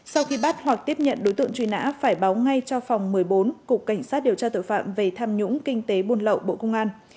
sau khi bắt hoặc tiếp nhận đối tượng truy nã phải báo ngay cho phòng một mươi bốn cục cảnh sát điều tra tội phạm về tham nhũng kinh tế buôn lậu bộ công an